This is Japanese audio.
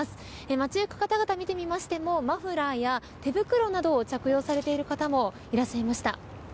街の方々見てみましてもマフラーや手袋などを着用している方もいらっしゃいました。